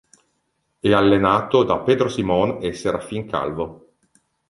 E' allenato da Pedro Simon e Serafin Calvo.